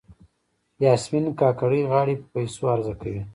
یاسمین کاکړۍ غاړې په پیسو عرضه کوي.